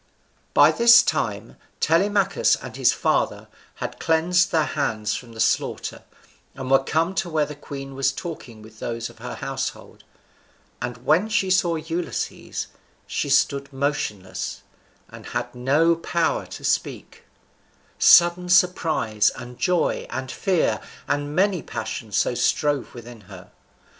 By this time Telemachus and his father had cleansed their hands from the slaughter, and were come to where the queen was talking with those of her household; and when she saw Ulysses, she stood motionless, and had no power to speak, sudden surprise and joy and fear and many passions so strove within her.